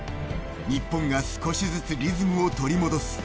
日本が少しずつリズムを取り戻す。